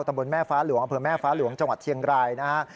บนแม่ฟ้าหลวงอำเภอแม่ฟ้าหลวงจังหวัดเชียงรายนะฮะ